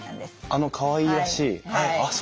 あのかわいらしい。